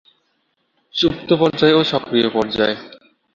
সুপ্ত পর্যায় ও সক্রিয় পর্যায়।